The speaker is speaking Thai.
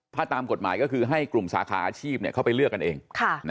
ถ้าตามกฎหมายก็คือให้กลุ่มสาขาอาชีพเข้าไปเลือกกันเอง